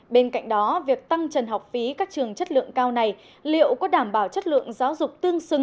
bên cạnh đó việc tăng trần học phí các trường chất lượng cao này liệu có đảm bảo chất lượng giáo dục tương xứng